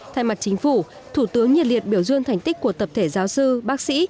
thay mặt chính phủ thủ tướng nhiệt liệt biểu dương thành tích của tập thể giáo sư bác sĩ